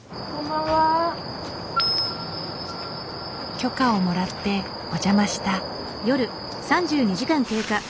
許可をもらってお邪魔した。